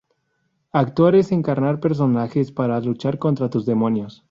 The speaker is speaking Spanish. Actuar es encarnar personajes para luchar contra tus demonios.